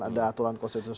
ada aturan konsensusional